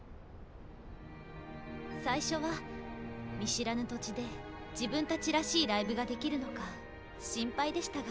最初は見知らぬ土地で自分たちらしいライブができるのか心配でしたが。